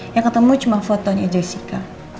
yang ketemu cuma fotonya jessica